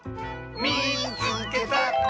「みいつけた！」。